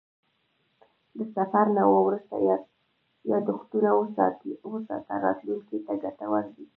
د سفر نه وروسته یادښتونه وساته، راتلونکي ته ګټور دي.